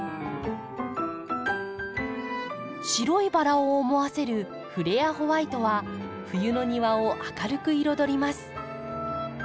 白いバラを思わせるフレアホワイトは冬の庭を明るく彩ります。